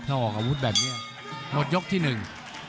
ถ้าออกอาวุธแบบเนี้ยหมดยกที่หนึ่ง